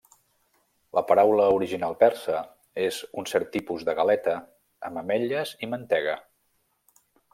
La paraula original persa és un cert tipus de galeta amb ametlles i mantega.